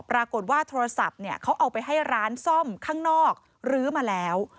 ปรากฏว่าโทรศัพท์เนี่ยเขาเอาไปให้ร้านซ่อมข้างนอกรื้อมาแล้ว